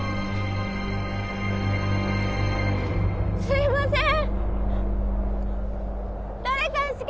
すいません。